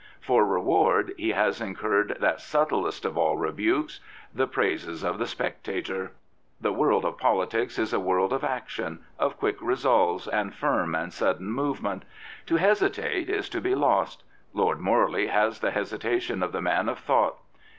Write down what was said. For reward he has incurred that subtlest of all rebukes — ^the praises of the Spectator. The world of politics is a world of action, of quick resolves, and firm and sudden movement. To hesitate is to be lost. Lord Morley has the hesita tion of the man of thought.